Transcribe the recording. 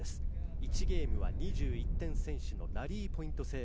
１ゲームは２１点先取のラリーポイント制。